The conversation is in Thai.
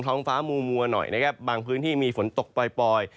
ท้องฟ้ามูมัวหน่อยบางพื้นที่มีฝนตกปล่อย